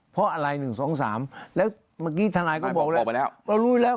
เพราะอะไร๑๒๓แล้วเมื่อกี้ทนายก็บอกบอกไปแล้ว